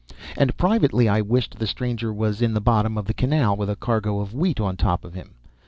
And privately I wished the stranger was in the bottom of the canal with a cargo of wheat on top of him.